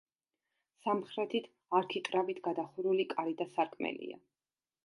სამხრეთით არქიტრავით გადახურული კარი და სარკმელია.